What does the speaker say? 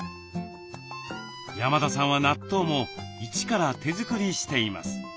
山田さんは納豆も一から手作りしています。